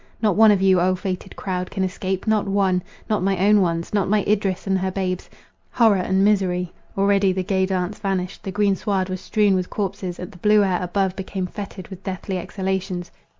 Not one of you, O! fated crowd, can escape—not one! not my own ones! not my Idris and her babes! Horror and misery! Already the gay dance vanished, the green sward was strewn with corpses, the blue air above became fetid with deathly exhalations.